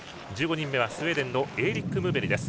１５人目、スウェーデンのエーリック・ムーベリ。